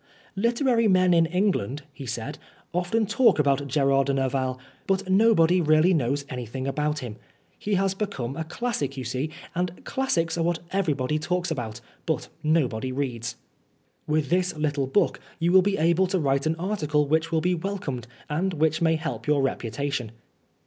" Literary men in England," he said, "often talk about Gerard de Nerval, but nobody really knows anything about him. He has become a classic, you see, and classics are what everybody talks about, but nobody reads. With this little book you will be able to write an article which will be welcomed, and which may help your reputa tion."